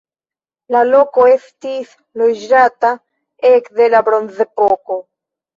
La loko estis loĝata ekde la bronzepoko.